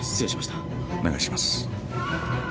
お願いします。